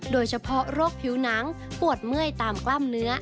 โดยเฉพาะโรคผิวหนังปวดเมื่อยตามกล้ามเนื้อ